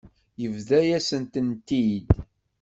Yebḍa-yas-tent-id.